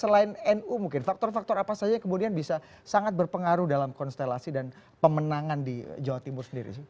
selain nu mungkin faktor faktor apa saja kemudian bisa sangat berpengaruh dalam konstelasi dan pemenangan di jawa timur sendiri sih